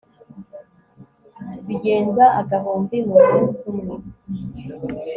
bigenza agahumbi mu munsi umwe